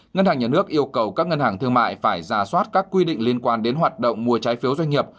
ngân hàng nhà nước yêu cầu các ngân hàng thương mại phải ra soát các quy định liên quan đến hoạt động mua trái phiếu doanh nghiệp